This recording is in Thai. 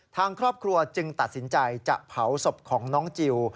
ทางครอบครัวจึงตัดสินใจจะเผาศพของน้องจิล